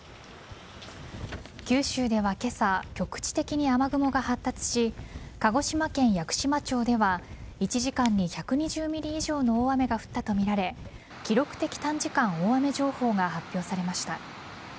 九州では今朝局地的に雨雲が発達し鹿児島県屋久島町では１時間に１２０ｍｍ以上の大雨が降ったとみられ記録的短時間大雨情報が発表されました。